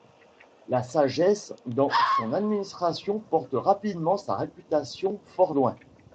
La sagesse dans son administration porte rapidement sa réputation fort loin.